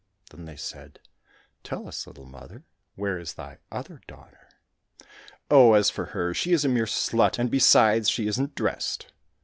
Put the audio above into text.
Then they said, " Tell us, little mother, where is thy other daughter ?"—" Oh, as for her, she is a mere slut, and besides she isn't dressed."